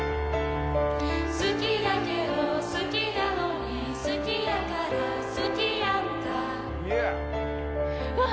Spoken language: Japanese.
好きだけど好きなのに好きやから好きやんかわあ